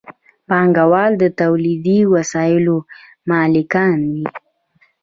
پانګوال د تولیدي وسایلو مالکان وي.